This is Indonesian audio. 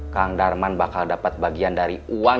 kang darman bakal dapat bagian dari uang